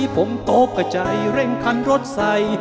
ผมตกกระใจเร่งคันรถใส่